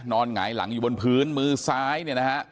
หงายหลังอยู่บนพื้นมือซ้ายเนี่ยนะฮะ